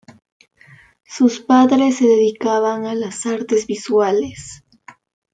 Sus padres se dedicaban a las artes visuales.